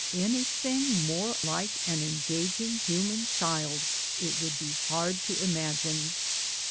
Anything more like an engaging human child it would be hard to imagine.